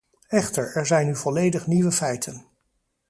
Echter, er zijn nu volledig nieuwe feiten.